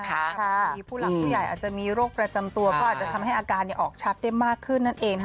มีผู้หลักผู้ใหญ่อาจจะมีโรคประจำตัวก็อาจจะทำให้อาการออกชักได้มากขึ้นนั่นเอง